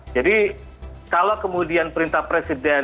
jadi kalau kemudian perintah presiden